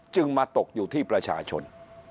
มาตกอยู่ที่ประชาชน